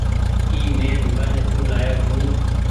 اي مين دوڪآني سون لآيو ڇي۔